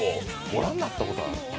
ご覧になったことは？